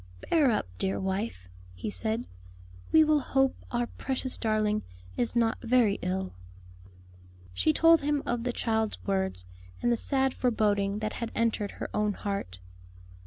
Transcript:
"Bear up, dear wife," he said, "we will hope our precious darling is not very ill." She told him of the child's words, and the sad foreboding that had entered her own heart.